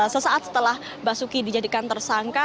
sesaat setelah basuki dijadikan tersangka